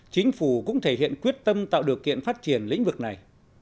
chính phủ cũng thể hiện quyết tâm tạo điều kiện phát triển lĩnh vực này